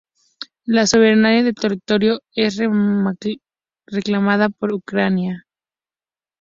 La soberanía del territorio es reclamada por Ucrania.